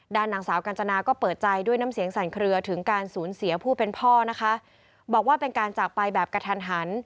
นางสาวกัญจนาก็เปิดใจด้วยน้ำเสียงสั่นเคลือถึงการสูญเสียผู้เป็นพ่อนะคะบอกว่าเป็นการจากไปแบบกระทันหัน